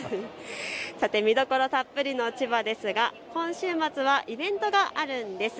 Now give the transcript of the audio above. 見どころたっぷりの千葉ですが今週末はイベントがあるんです。